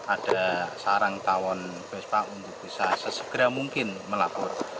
ada sarang tawon vespa untuk bisa sesegera mungkin melapor